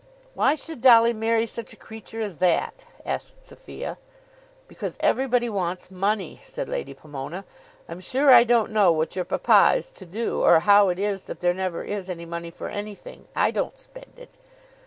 "Why should Dolly marry such a creature as that?" asked Sophia. "Because everybody wants money," said Lady Pomona. "I'm sure I don't know what your papa is to do, or how it is that there never is any money for anything. I don't spend it."